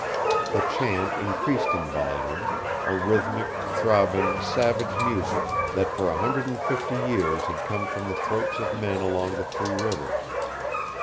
The chant increased in volume, a rhythmic, throbbing, savage music that for a hundred and fifty years had come from the throats of men along the Three Rivers.